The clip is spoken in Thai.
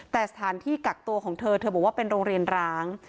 แต่สถานที่กักตัวของเธอเธอบอกว่าเป็นโรงเรียนร้าง